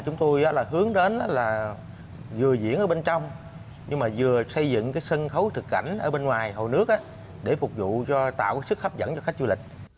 chúng tôi hướng đến là vừa diễn ở bên trong vừa xây dựng sân khấu thực cảnh ở bên ngoài hồ nước để phục vụ tạo sức hấp dẫn cho khách du lịch